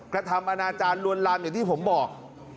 กระทำอนาจารย์ลวนลามอย่างที่ผมบอก